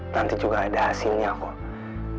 nanti juga ada hasilnya kok